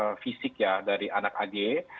dan juga fisik ya dari anak ag